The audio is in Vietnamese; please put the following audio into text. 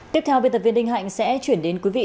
tiếp theo biên tập viên đinh hạnh sẽ chuyển đến quý vị